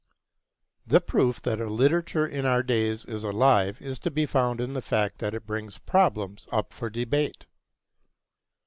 The proof that a literature in our days is alive is to be found in the fact that it brings problems up for debate.